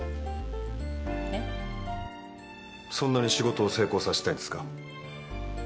そんなに仕事を成功させたいんですか？